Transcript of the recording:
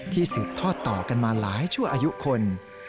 สืบทอดต่อกันมาหลายชั่วอายุคน